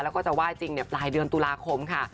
แล้วก็จะไหว้จริงปลายเดือนตุลาคมค่ะ